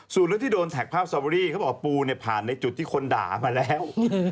ส่วนเรื่องที่โดนแท็กภาพสตอเบอรี่เขาบอกปูเนี่ยผ่านในจุดที่คนด่ามาแล้ว